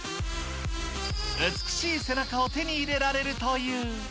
美しい背中を手に入れられるという。